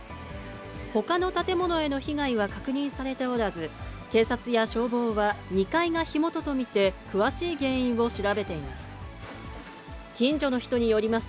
ほかの建物への被害は確認されておらず、警察や消防は、２階が火元と見て、詳しい原因を調べています。